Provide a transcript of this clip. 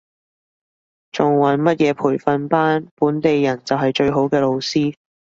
仲揾乜嘢培訓班，本地人就係最好嘅老師